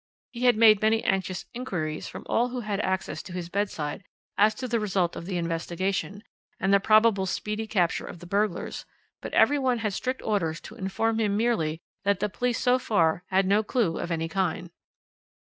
He had made many anxious inquiries from all those who had access to his bedside as to the result of the investigation, and the probable speedy capture of the burglars, but every one had strict orders to inform him merely that the police so far had no clue of any kind.